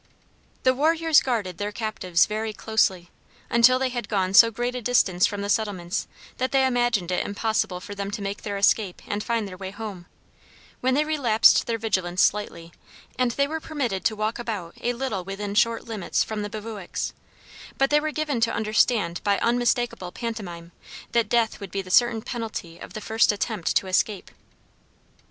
The warriors guarded their captives very closely, until they had gone so great a distance from the settlements that they imagined it impossible for them to make their escape and find their way home, when they relapsed their vigilance slightly, and they were permitted to walk about a little within short limits from the bivouacs; but they were given to understand by unmistakable pantomime that death would be the certain penalty of the first attempt to escape.